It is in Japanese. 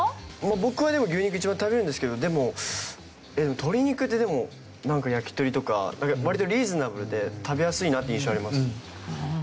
僕はでも牛肉一番食べるんですけど鶏肉ってでもなんか焼き鳥とか割とリーズナブルで食べやすいなって印象あります。